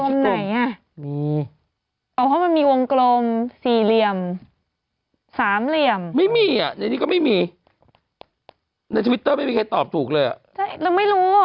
ถูกต้องใครก็ไม่รู้